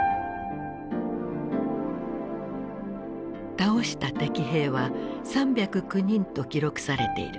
倒した敵兵は３０９人と記録されている。